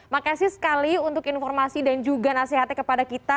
makasih sekali untuk informasi dan juga nasihatnya kepada kita